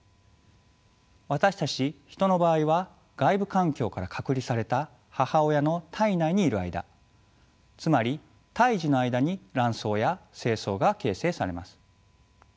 私たちヒトの場合は外部環境から隔離された母親の胎内にいる間つまり胎児の間に卵巣や精巣が形成されます。